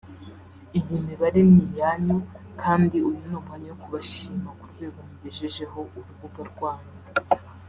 Iyi mibare ni iyanyu kandi uyu ni umwanya wo kubashima ku rwego mugejejeho urubuga rwanyu